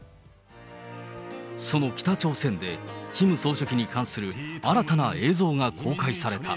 その北朝鮮で、キム総書記に関する新たな映像が公開された。